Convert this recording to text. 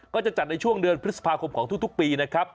ก็จะจัดในช่วงเดือนพฤษภาคมของทุกปีนะครับ